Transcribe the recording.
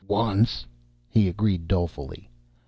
"Once," he agreed dolefully.